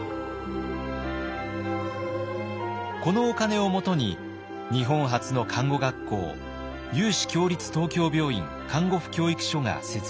このお金をもとに日本初の看護学校有志共立東京病院看護婦教育所が設立されます。